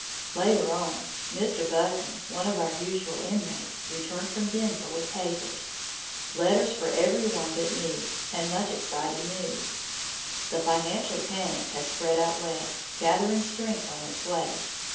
Later on, Mr. Buchan, one of our usual inmates, returned from Denver with papers, letters for every one but me, and much exciting news. The financial panic has spread out West, gathering strength on its way.